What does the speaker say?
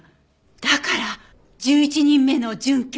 だから「１１人目の殉教者」！